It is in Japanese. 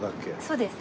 そうです。